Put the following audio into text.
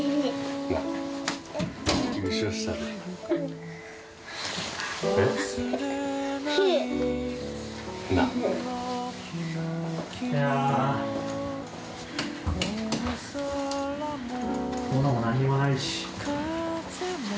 いや、物も何もないし。